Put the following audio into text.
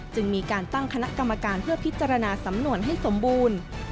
จึงมีการตั้งคณะกรรมการเพื่อพิจารณาสำนวนให้สมบูรณ์